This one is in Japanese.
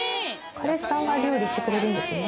彼氏さんが料理してくれるんですね。